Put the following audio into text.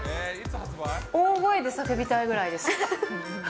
大声で叫びたいぐらいです。